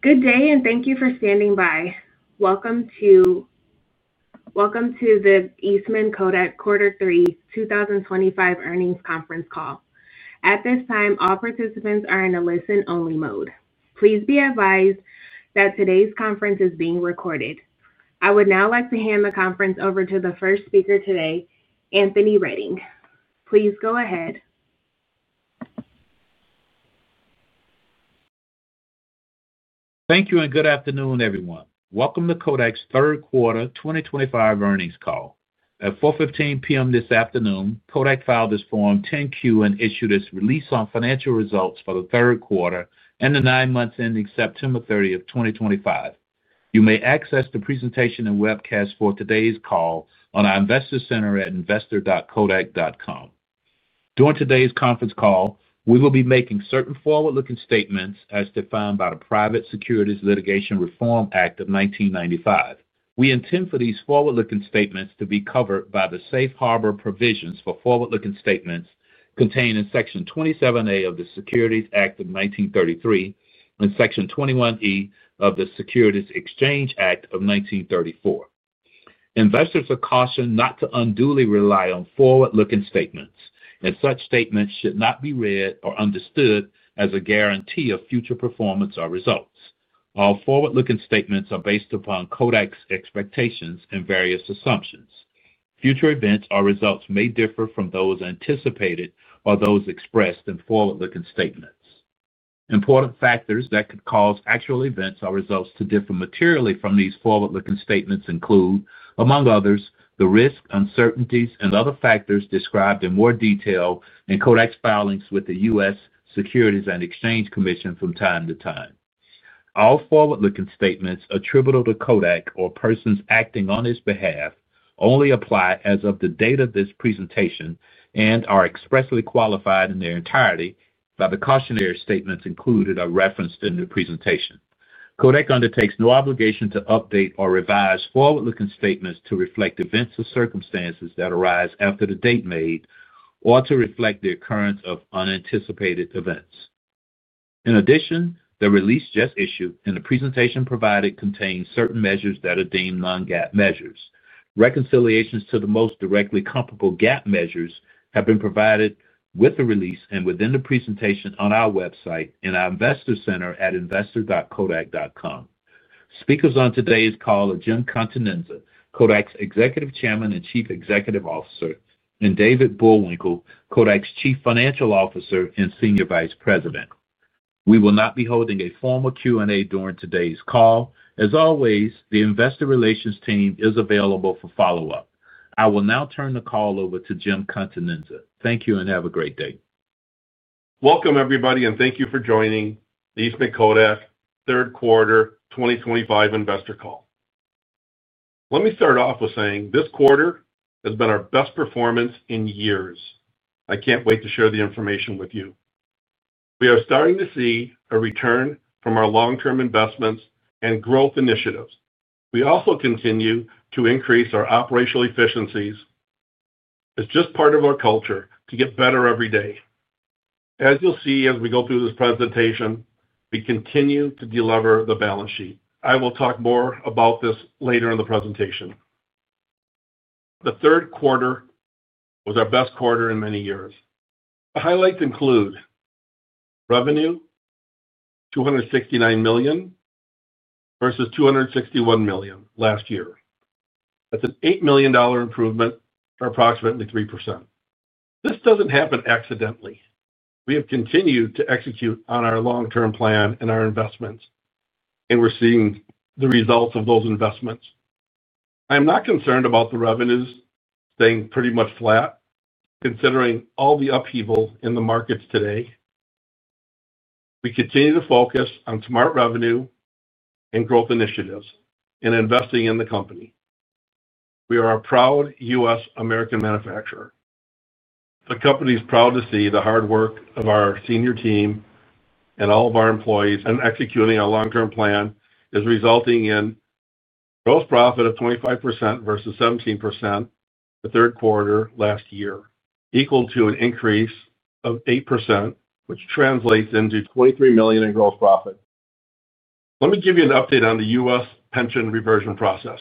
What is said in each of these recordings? Good day, and thank you for standing by. Welcome to the Eastman Kodak quarter 3, 2025 earnings conference call. At this time, all participants are in a listen-only mode. Please be advised that today's conference is being recorded. I would now like to hand the conference over to the first speaker today, Anthony Redding. Please go ahead. Thank you, and good afternoon, everyone. Welcome to Kodak's Third Quarter 2025 earnings call. At 4:15 PM this afternoon, Kodak filed its Form 10-Q and issued its release on financial results for the third quarter and the nine months ending September 30, 2025. You may access the presentation and webcast for today's call on our investor center at investor.kodak.com. During today's conference call, we will be making certain forward-looking statements as defined by the Private Securities Litigation Reform Act of 1995. We intend for these forward-looking statements to be covered by the safe harbor provisions for forward-looking statements contained in Section 27A of the Securities Act of 1933 and Section 21E of the Securities Exchange Act of 1934. Investors are cautioned not to unduly rely on forward-looking statements, and such statements should not be read or understood as a guarantee of future performance or results. All forward-looking statements are based upon Kodak's expectations and various assumptions. Future events or results may differ from those anticipated or those expressed in forward-looking statements. Important factors that could cause actual events or results to differ materially from these forward-looking statements include, among others, the risk, uncertainties, and other factors described in more detail in Kodak's filings with the U.S. Securities and Exchange Commission from time to time. All forward-looking statements attributable to Kodak or persons acting on its behalf only apply as of the date of this presentation and are expressly qualified in their entirety by the cautionary statements included or referenced in the presentation. Kodak undertakes no obligation to update or revise forward-looking statements to reflect events or circumstances that arise after the date made or to reflect the occurrence of unanticipated events. In addition, the release just issued and the presentation provided contain certain measures that are deemed non-GAAP measures. Reconciliations to the most directly comparable GAAP measures have been provided with the release and within the presentation on our website and our investor center at investor.kodak.com. Speakers on today's call are Jim Continenza, Kodak's Executive Chairman and Chief Executive Officer, and David Bullwinkle, Kodak's Chief Financial Officer and Senior Vice President. We will not be holding a formal Q&A during today's call. As always, the investor relations team is available for follow-up. I will now turn the call over to Jim Continenza. Thank you, and have a great day. Welcome, everybody, and thank you for joining the Eastman Kodak third quarter 2025 investor call. Let me start off with saying this quarter has been our best performance in years. I can't wait to share the information with you. We are starting to see a return from our long-term investments and growth initiatives. We also continue to increase our operational efficiencies. It's just part of our culture to get better every day. As you'll see as we go through this presentation, we continue to deliver the balance sheet. I will talk more about this later in the presentation. The third quarter was our best quarter in many years. The highlights include. Revenue. 269 million versus 261 million last year. That's an $8 million improvement for approximately 3%. This doesn't happen accidentally. We have continued to execute on our long-term plan and our investments, and we're seeing the results of those investments. I'm not concerned about the revenues staying pretty much flat. Considering all the upheaval in the markets today. We continue to focus on smart revenue and growth initiatives and investing in the company. We are a proud U.S. American manufacturer. The company is proud to see the hard work of our senior team. And all of our employees in executing our long-term plan is resulting in. Gross profit of 25% versus 17% the third quarter last year, equal to an increase of 8%, which translates into $23 million in gross profit. Let me give you an update on the U.S. pension reversion process.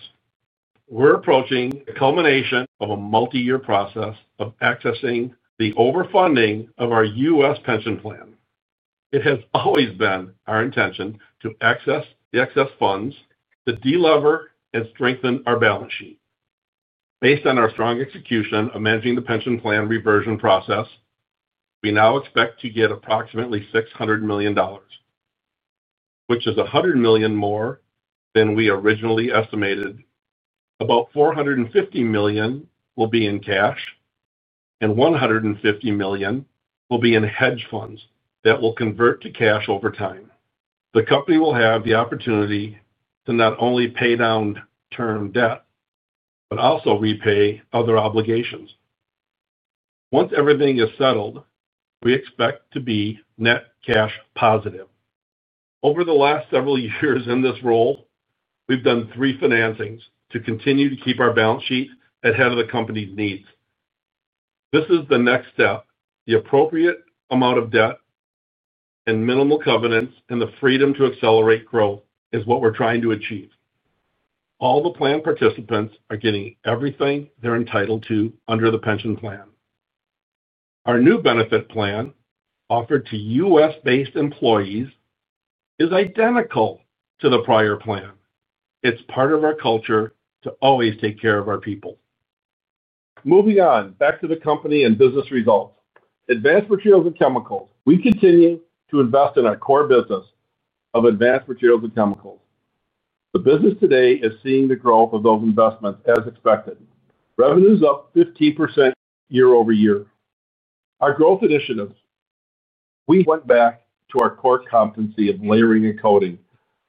We're approaching the culmination of a multi-year process of accessing the over-funding of our U.S. pension plan. It has always been our intention to access the excess funds to deliver and strengthen our balance sheet. Based on our strong execution of managing the pension plan reversion process, we now expect to get approximately $600 million, which is $100 million more than we originally estimated. About $450 million will be in cash, and $150 million will be in hedge funds that will convert to cash over time. The company will have the opportunity to not only pay down term debt but also repay other obligations. Once everything is settled, we expect to be net cash positive. Over the last several years in this role, we've done three financings to continue to keep our balance sheet ahead of the company's needs. This is the next step. The appropriate amount of debt, minimal covenants, and the freedom to accelerate growth is what we're trying to achieve. All the plan participants are getting everything they're entitled to under the pension plan. Our new benefit plan offered to U.S.-based employees is identical to the prior plan. It's part of our culture to always take care of our people. Moving on back to the company and business results. Advanced Materials and Chemicals, we continue to invest in our core business of Advanced Materials and Chemicals. The business today is seeing the growth of those investments as expected. Revenues up 15% year over year. Our growth initiatives, we went back to our core competency of layering and coating.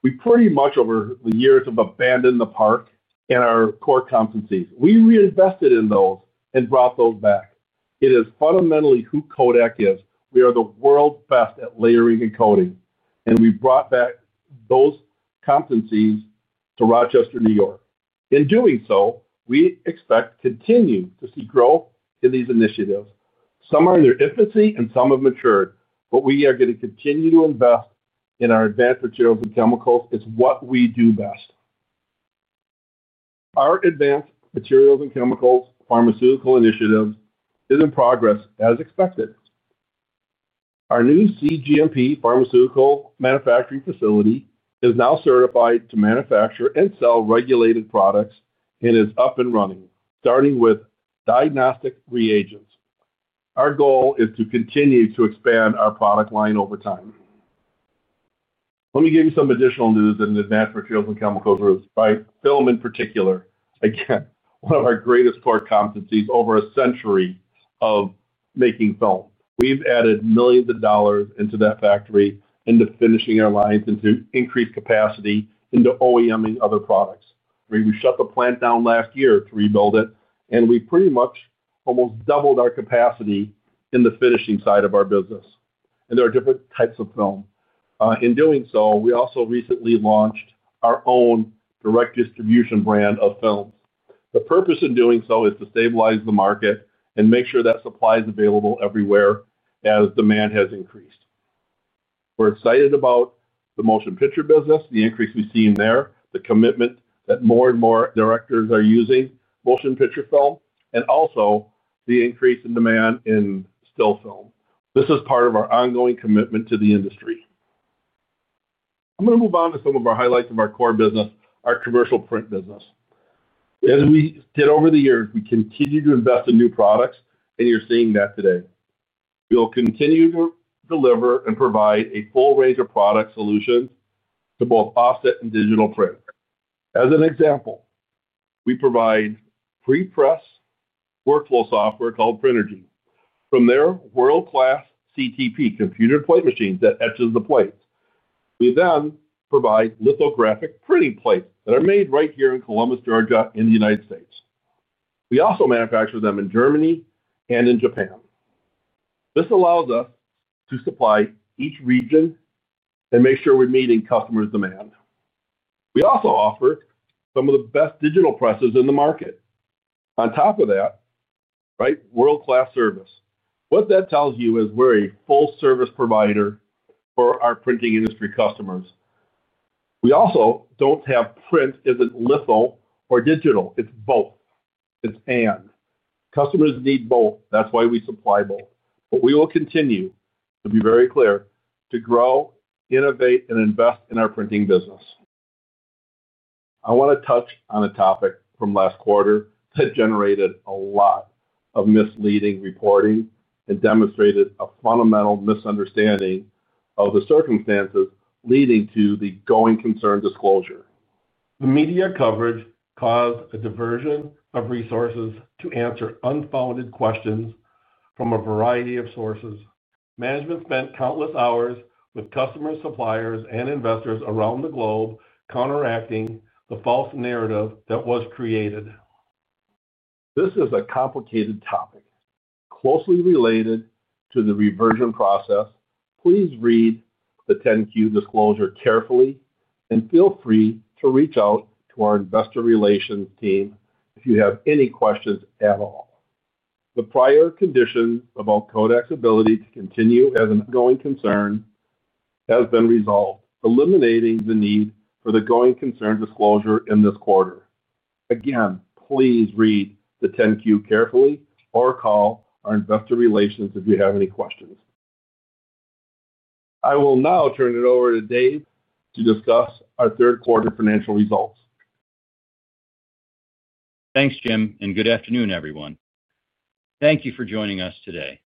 We pretty much, over the years, have abandoned the park and our core competencies. We reinvested in those and brought those back. It is fundamentally who Kodak is. We are the world's best at layering and coating, and we brought back those competencies to Rochester, New York. In doing so, we expect to continue to see growth in these initiatives. Some are in their infancy and some have matured, but we are going to continue to invest in our Advanced Materials and Chemicals. It's what we do best. Our Advanced Materials and Chemicals pharmaceutical initiative is in progress as expected. Our new CGMP pharmaceutical manufacturing facility is now certified to manufacture and sell regulated products and is up and running, starting with diagnostic reagents. Our goal is to continue to expand our product line over time. Let me give you some additional news in Advanced Materials and Chemicals by film in particular. Again, one of our greatest core competencies over a century of making film. We've added millions of dollars into that factory into finishing our lines and to increase capacity into OEMing other products. We shut the plant down last year to rebuild it, and we pretty much almost doubled our capacity in the finishing side of our business. And there are different types of film. In doing so, we also recently launched our own direct distribution brand of films. The purpose in doing so is to stabilize the market and make sure that supply is available everywhere as demand has increased. We're excited about the motion picture business, the increase we've seen there, the commitment that more and more directors are using motion picture film, and also the increase in demand in still film. This is part of our ongoing commitment to the industry. I'm going to move on to some of our highlights of our core business, our commercial print business. As we did over the years, we continue to invest in new products, and you're seeing that today. We'll continue to deliver and provide a full range of product solutions to both offset and digital print. As an example, we provide pre-press workflow software called Prinergy. From there, world-class CTP, computer plate machines that etch the plates. We then provide lithographic printing plates that are made right here in Columbus, Georgia, in the United States. We also manufacture them in Germany and in Japan. This allows us to supply each region and make sure we're meeting customers' demand. We also offer some of the best digital presses in the market. On top of that, right, world-class service. What that tells you is we're a full-service provider for our printing industry customers. We also don't have print as in litho or digital. It's both. It's and. Customers need both. That's why we supply both. We will continue, to be very clear, to grow, innovate, and invest in our printing business. I want to touch on a topic from last quarter that generated a lot of misleading reporting and demonstrated a fundamental misunderstanding of the circumstances leading to the going concern disclosure. The media coverage caused a diversion of resources to answer unfounded questions from a variety of sources. Management spent countless hours with customers, suppliers, and investors around the globe counteracting the false narrative that was created. This is a complicated topic closely related to the reversion process. Please read the 10-Q disclosure carefully and feel free to reach out to our investor relations team if you have any questions at all. The prior conditions about Kodak's ability to continue as an ongoing concern have been resolved, eliminating the need for the going concern disclosure in this quarter. Again, please read the 10-Q carefully or call our investor relations if you have any questions. I will now turn it over to Dave to discuss our third quarter financial results. Thanks, Jim, and good afternoon, everyone. Thank you for joining us today.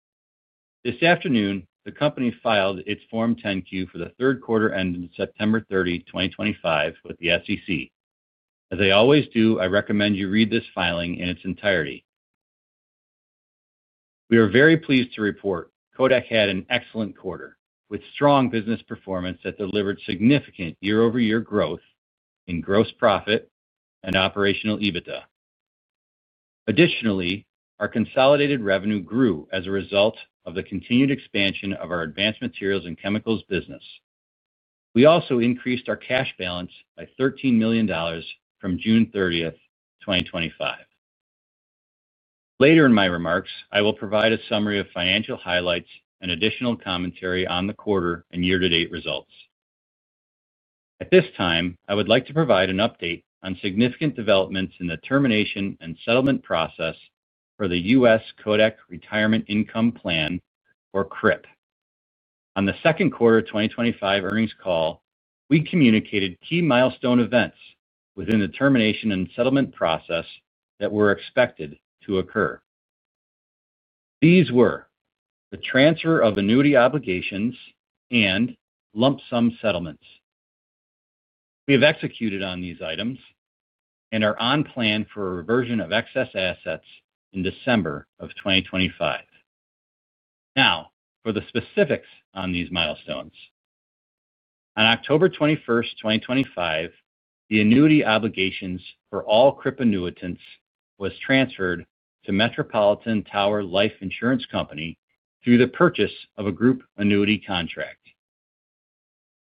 This afternoon, the company filed its Form 10-Q for the third quarter ending September 30, 2025, with the SEC. As they always do, I recommend you read this filing in its entirety. We are very pleased to report Kodak had an excellent quarter with strong business performance that delivered significant year-over-year growth in gross profit and operational EBITDA. Additionally, our consolidated revenue grew as a result of the continued expansion of our Advanced Materials and Chemicals business. We also increased our cash balance by $13 million from June 30, 2025. Later in my remarks, I will provide a summary of financial highlights and additional commentary on the quarter and year-to-date results. At this time, I would like to provide an update on significant developments in the termination and settlement process for the U.S. Kodak Retirement Income Plan, or CRIP. On the second quarter 2025 earnings call, we communicated key milestone events within the termination and settlement process that were expected to occur. These were the transfer of annuity obligations and lump sum settlements. We have executed on these items and are on plan for a reversion of excess assets in December of 2025. Now, for the specifics on these milestones. On October 21, 2025, the annuity obligations for all CRIP annuitants were transferred to Metropolitan Tower Life Insurance Company through the purchase of a group annuity contract.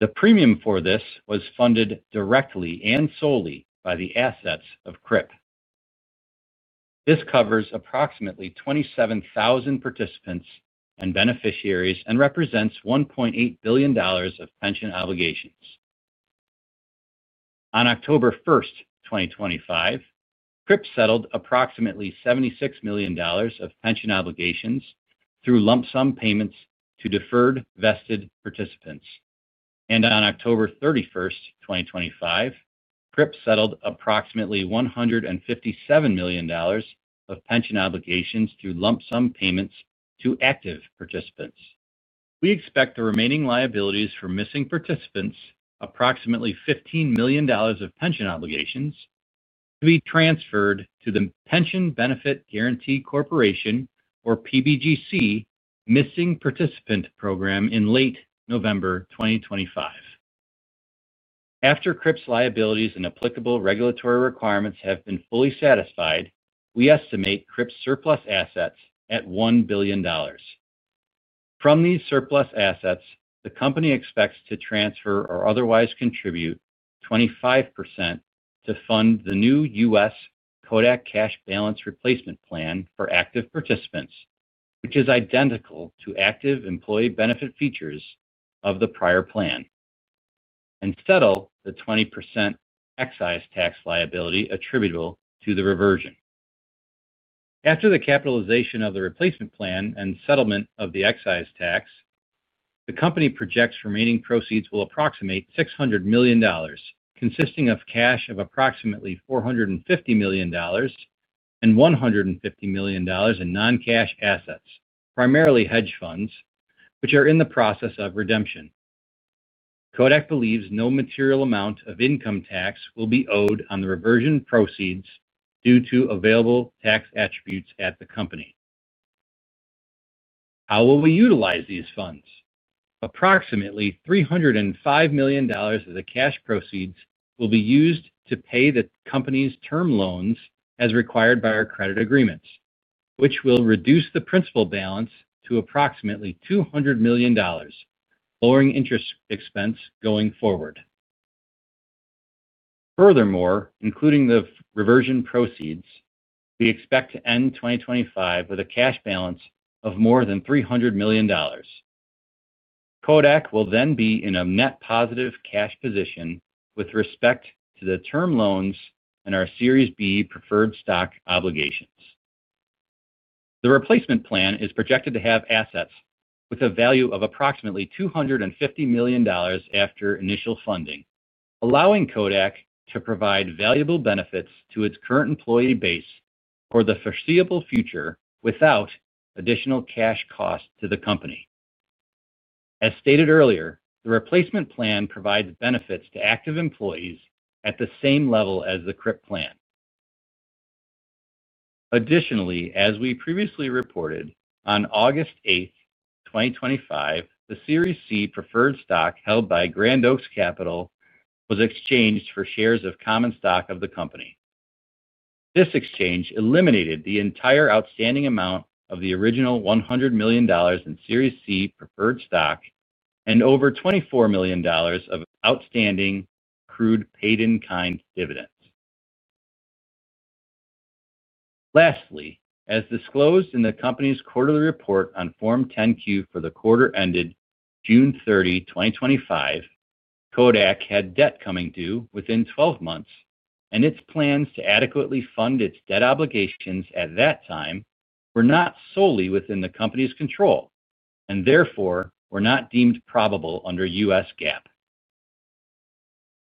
The premium for this was funded directly and solely by the assets of CRIP. This covers approximately 27,000 participants and beneficiaries and represents $1.8 billion of pension obligations. On October 1, 2025. CRIP settled approximately $76 million of pension obligations through lump sum payments to deferred vested participants. And on October 31, 2025, CRIP settled approximately $157 million. Of pension obligations through lump sum payments to active participants. We expect the remaining liabilities for missing participants, approximately $15 million of pension obligations, to be transferred to the Pension Benefit Guarantee Corporation, or PBGC, Missing Participant Program in late November 2025. After CRIP's liabilities and applicable regulatory requirements have been fully satisfied, we estimate CRIP's surplus assets at $1 billion. From these surplus assets, the company expects to transfer or otherwise contribute 25% to fund the new U.S. Kodak Cash Balance Replacement Plan for active participants, which is identical to active employee benefit features of the prior plan. And settle the 20% excise tax liability attributable to the reversion. After the capitalization of the replacement plan and settlement of the excise tax, the company projects remaining proceeds will approximate $600 million, consisting of cash of approximately $450 million. And $150 million in non-cash assets, primarily hedge funds, which are in the process of redemption. Kodak believes no material amount of income tax will be owed on the reversion proceeds due to available tax attributes at the company. How will we utilize these funds? Approximately $305 million of the cash proceeds will be used to pay the company's term loans as required by our credit agreements, which will reduce the principal balance to approximately $200 million. Lowering interest expense going forward. Furthermore, including the reversion proceeds, we expect to end 2025 with a cash balance of more than $300 million. Kodak will then be in a net positive cash position with respect to the term loans and our Series B preferred stock obligations. The replacement plan is projected to have assets with a value of approximately $250 million after initial funding, allowing Kodak to provide valuable benefits to its current employee base for the foreseeable future without additional cash cost to the company. As stated earlier, the replacement plan provides benefits to active employees at the same level as the CRIP plan. Additionally, as we previously reported, on August 8, 2025, the Series C preferred stock held by Grand Oaks Capital was exchanged for shares of common stock of the company. This exchange eliminated the entire outstanding amount of the original $100 million in Series C preferred stock and over $24 million of outstanding accrued paid-in-kind dividends. Lastly, as disclosed in the company's quarterly report on Form 10-Q for the quarter ended June 30, 2025. Kodak had debt coming due within 12 months, and its plans to adequately fund its debt obligations at that time were not solely within the company's control and therefore were not deemed probable under U.S. GAAP.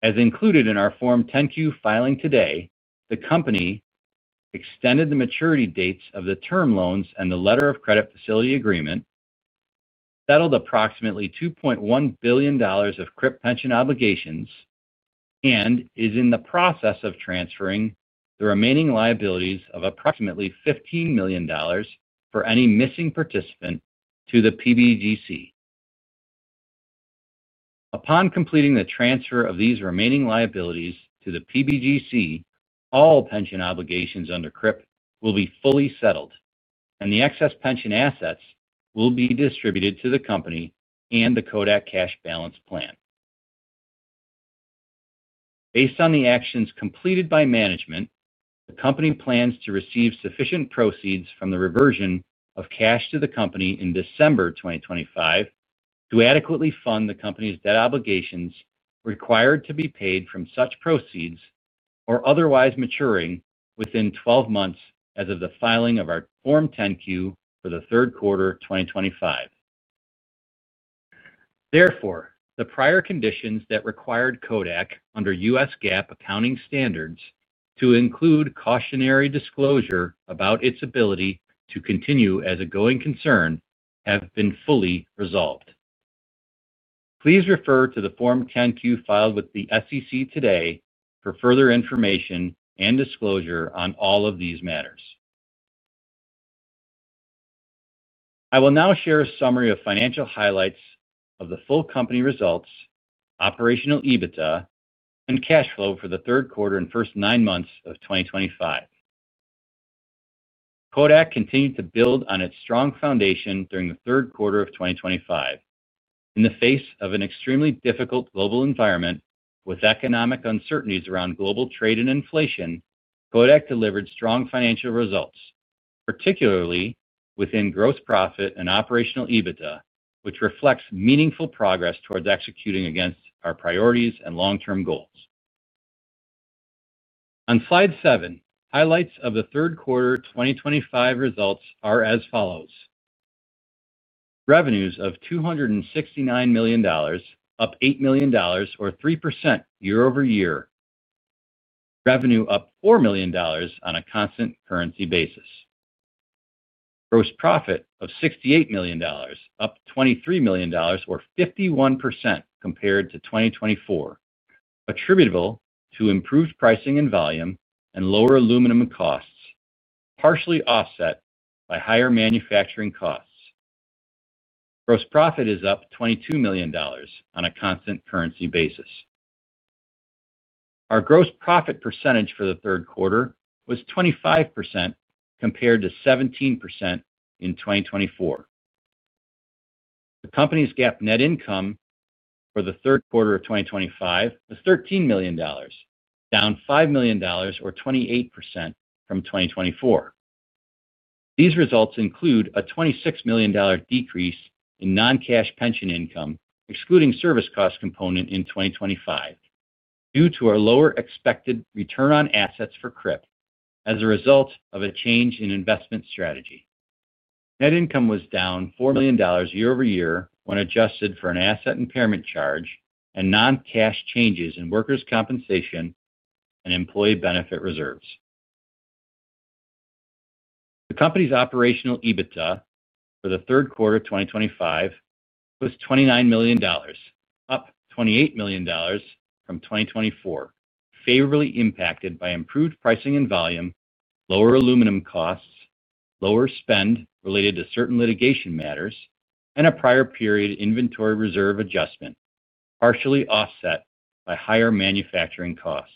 As included in our Form 10-Q filing today, the company. Extended the maturity dates of the term loans and the letter of credit facility agreement. Settled approximately $2.1 billion of CRIP pension obligations. And is in the process of transferring the remaining liabilities of approximately $15 million for any missing participant to the PBGC. Upon completing the transfer of these remaining liabilities to the PBGC, all pension obligations under CRIP will be fully settled, and the excess pension assets will be distributed to the company and the Kodak Cash Balance Plan. Based on the actions completed by management, the company plans to receive sufficient proceeds from the reversion of cash to the company in December 2025 to adequately fund the company's debt obligations required to be paid from such proceeds or otherwise maturing within 12 months as of the filing of our Form 10-Q for the third quarter 2025. Therefore, the prior conditions that required Kodak under U.S. GAAP accounting standards to include cautionary disclosure about its ability to continue as a going concern have been fully resolved. Please refer to the Form 10-Q filed with the SEC today for further information and disclosure on all of these matters. I will now share a summary of financial highlights of the full company results, operational EBITDA, and cash flow for the third quarter and first nine months of 2025. Kodak continued to build on its strong foundation during the third quarter of 2025. In the face of an extremely difficult global environment with economic uncertainties around global trade and inflation, Kodak delivered strong financial results, particularly within gross profit and operational EBITDA, which reflects meaningful progress towards executing against our priorities and long-term goals. On slide 7, highlights of the third quarter 2025 results are as follows. Revenues of $269 million, up $8 million, or 3% year-over-year. Revenue up $4 million on a constant currency basis. Gross profit of $68 million, up $23 million, or 51% compared to 2024. Attributable to improved pricing and volume and lower aluminum costs, partially offset by higher manufacturing costs. Gross profit is up $22 million on a constant currency basis. Our gross profit percentage for the third quarter was 25% compared to 17% in 2024. The company's GAAP net income for the third quarter of 2025 was $13 million, down $5 million, or 28% from 2024. These results include a $26 million decrease in non-cash pension income, excluding service cost component in 2025, due to a lower expected return on assets for CRIP as a result of a change in investment strategy. Net income was down $4 million year-over-year when adjusted for an asset impairment charge and non-cash changes in workers' compensation and employee benefit reserves. The company's operational EBITDA for the third quarter of 2025 was $29 million, up $28 million from 2024, favorably impacted by improved pricing and volume, lower aluminum costs, lower spend related to certain litigation matters, and a prior period inventory reserve adjustment, partially offset by higher manufacturing costs.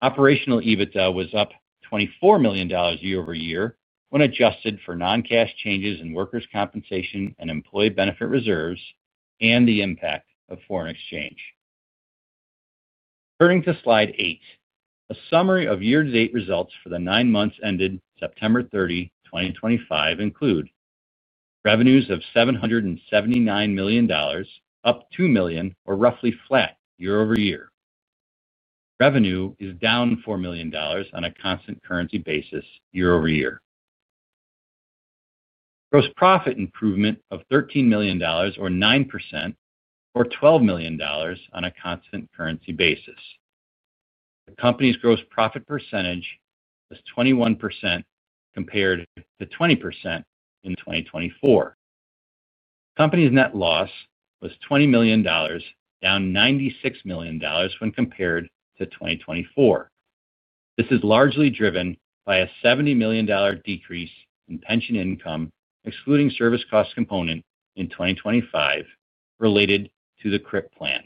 Operational EBITDA was up $24 million year-over-year when adjusted for non-cash changes in workers' compensation and employee benefit reserves and the impact of foreign exchange. Turning to slide 8, a summary of year-to-date results for the nine months ended September 30, 2025, includes. Revenues of $779 million, up $2 million, or roughly flat year-over-year. Revenue is down $4 million on a constant currency basis year-over-year. Gross profit improvement of $13 million, or 9%. or $12 million on a constant currency basis. The company's gross profit percentage was 21% compared to 20% in 2024. The company's net loss was $20 million, down $96 million when compared to 2024. This is largely driven by a $70 million decrease in pension income, excluding service cost component in 2025, related to the CRIP plan.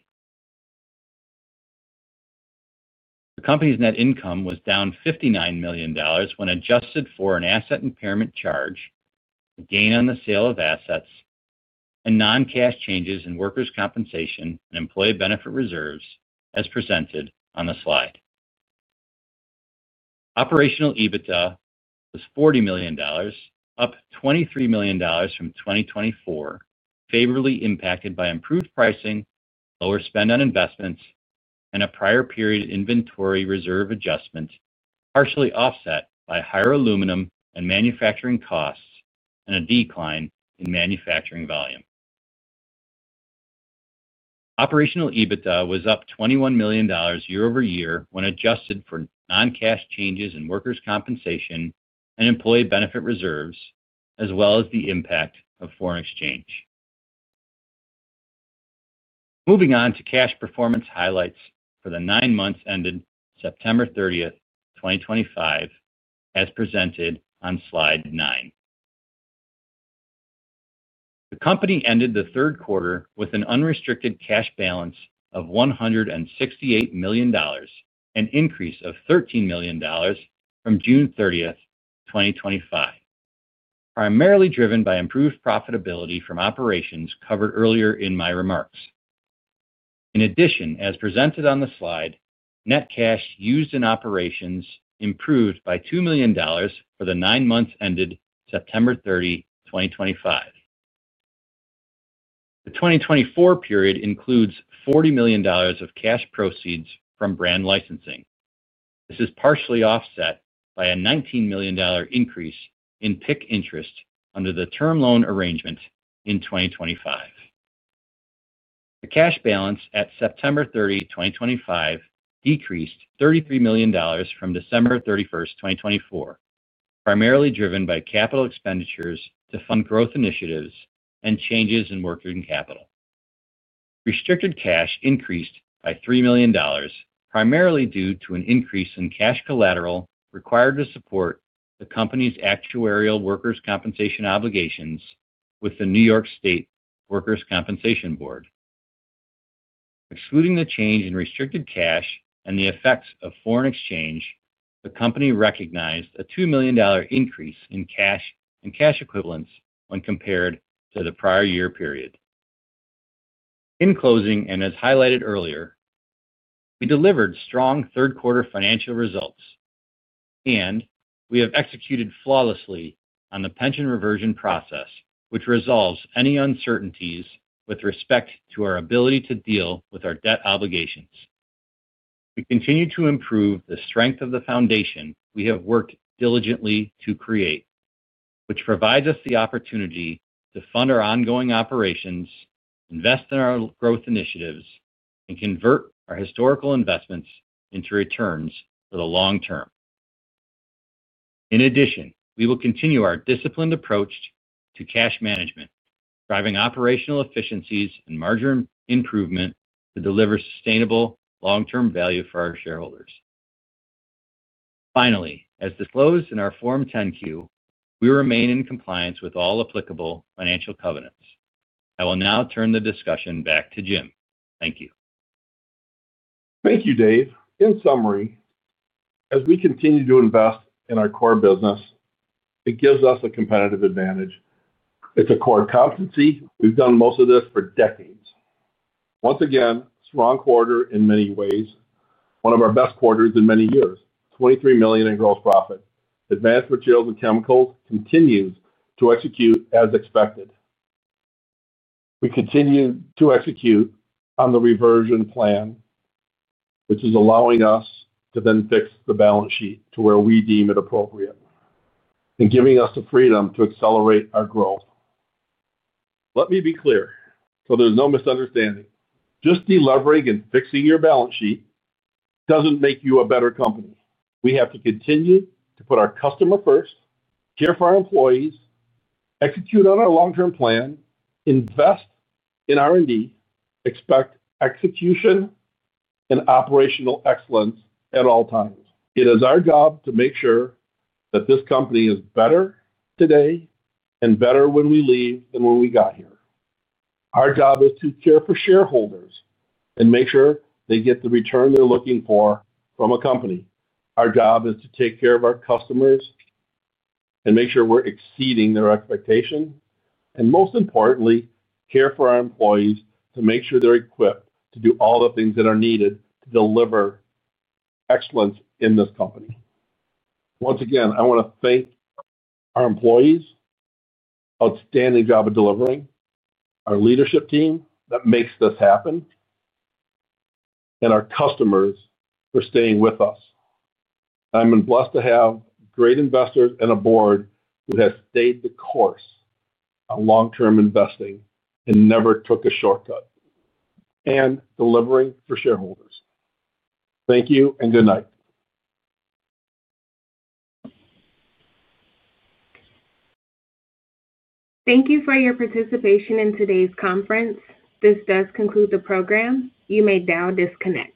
The company's net income was down $59 million when adjusted for an asset impairment charge, a gain on the sale of assets, and non-cash changes in workers' compensation and employee benefit reserves, as presented on the slide. Operational EBITDA was $40 million, up $23 million from 2024, favorably impacted by improved pricing, lower spend on investments, and a prior period inventory reserve adjustment, partially offset by higher aluminum and manufacturing costs and a decline in manufacturing volume. Operational EBITDA was up $21 million year-over-year when adjusted for non-cash changes in workers' compensation and employee benefit reserves, as well as the impact of foreign exchange. Moving on to cash performance highlights for the nine months ended September 30, 2025. As presented on slide 9. The company ended the third quarter with an unrestricted cash balance of $168 million, an increase of $13 million from June 30, 2025. Primarily driven by improved profitability from operations covered earlier in my remarks. In addition, as presented on the slide, net cash used in operations improved by $2 million for the nine months ended September 30, 2025. The 2024 period includes $40 million of cash proceeds from brand licensing. This is partially offset by a $19 million increase in PIC interest under the term loan arrangement in 2025. The cash balance at September 30, 2025, decreased $33 million from December 31, 2024, primarily driven by capital expenditures to fund growth initiatives and changes in working capital. Restricted cash increased by $3 million, primarily due to an increase in cash collateral required to support the company's actuarial workers' compensation obligations with the New York State Workers' Compensation Board. Excluding the change in restricted cash and the effects of foreign exchange, the company recognized a $2 million increase in cash and cash equivalents when compared to the prior year period. In closing, as highlighted earlier, we delivered strong third-quarter financial results. We have executed flawlessly on the pension reversion process, which resolves any uncertainties with respect to our ability to deal with our debt obligations. We continue to improve the strength of the foundation we have worked diligently to create, which provides us the opportunity to fund our ongoing operations, invest in our growth initiatives, and convert our historical investments into returns for the long term. In addition, we will continue our disciplined approach to cash management, driving operational efficiencies and margin improvement to deliver sustainable long-term value for our shareholders. Finally, as disclosed in our Form 10-Q, we remain in compliance with all applicable financial covenants. I will now turn the discussion back to Jim. Thank you. Thank you, Dave. In summary, as we continue to invest in our core business. It gives us a competitive advantage. It's a core competency. We've done most of this for decades. Once again, strong quarter in many ways, one of our best quarters in many years, $23 million in gross profit. Advanced materials and chemicals continues to execute as expected. We continue to execute on the reversion plan. Which is allowing us to then fix the balance sheet to where we deem it appropriate. And giving us the freedom to accelerate our growth. Let me be clear, so there's no misunderstanding. Just delivering and fixing your balance sheet doesn't make you a better company. We have to continue to put our customer first, care for our employees, execute on our long-term plan. Invest in R&D, expect execution. And operational excellence at all times. It is our job to make sure that this company is better today and better when we leave than when we got here. Our job is to care for shareholders and make sure they get the return they're looking for from a company. Our job is to take care of our customers. And make sure we're exceeding their expectations. And most importantly, care for our employees to make sure they're equipped to do all the things that are needed to deliver. Excellence in this company. Once again, I want to thank. Our employees. Outstanding job of delivering, our leadership team that makes this happen. And our customers for staying with us. I've been blessed to have great investors and a board who have stayed the course on long-term investing and never took a shortcut. And delivering for shareholders. Thank you and good night. Thank you for your participation in today's conference. This does conclude the program. You may now disconnect.